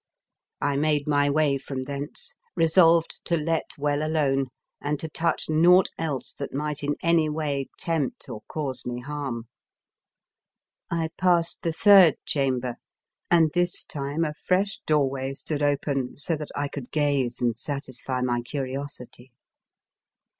I made my way from thence, resolved to let well alone and to touch naught else that might in any way tempt or cause me harm. I passed the third chamber, and this time a fresh doorway stood open, so that I could gaze and satisfy my curiosity.